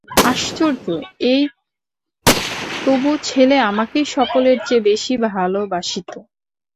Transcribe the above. আশ্চর্য এই, তবু ছেলে আমাকেই সকলের চেয়ে বেশি ভালোবাসিত।